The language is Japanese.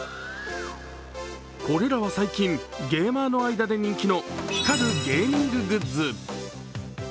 これらは最近、ゲーマーの間で人気の、光るゲーミンググッズ。